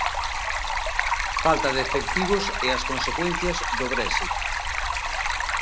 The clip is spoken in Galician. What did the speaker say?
Falta de efectivos e as consecuencias do Brexit.